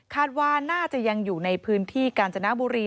ว่าน่าจะยังอยู่ในพื้นที่กาญจนบุรี